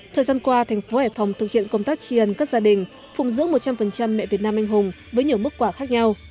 thời gian qua thành phố hải phòng thực hiện công tác tri ân các gia đình phùng dưỡng một trăm linh mẹ việt nam anh hùng với nhiều mức quả khác nhau